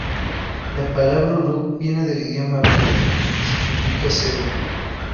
La palabra Uruk viene del idioma bribri y significa cedro.